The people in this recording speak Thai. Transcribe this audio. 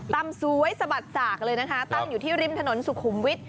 สวยสะบัดจากเลยนะคะตั้งอยู่ที่ริมถนนสุขุมวิทย